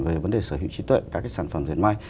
về vấn đề sở hữu trí tuệ các cái sản phẩm diệt may